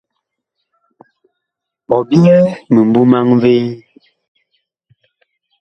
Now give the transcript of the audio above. Ɔ byɛɛ mimbu maŋ vee ?